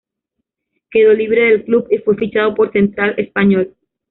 Quedó libre del club y fue fichado por Central Español.